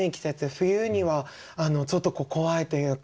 冬にはちょっと怖いというか。